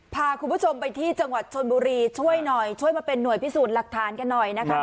พาคุณผู้ชมไปที่จังหวัดชนบุรีช่วยหน่อยช่วยมาเป็นห่วยพิสูจน์หลักฐานกันหน่อยนะคะ